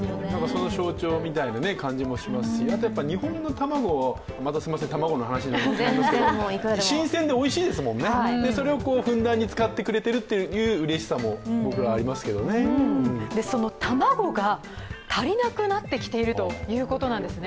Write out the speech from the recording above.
その象徴みたいな感じもしますし、また卵の話になりますが日本の卵は新鮮でおいしいですもんね、それをふんだんに使ってくれてるといううれしさも卵が足りなくなってきているということなんですね。